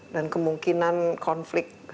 dan kemungkinan konflik